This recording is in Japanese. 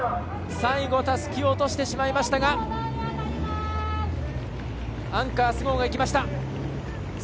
最後、たすきを落としてしまいましたがアンカー、須郷が行きました。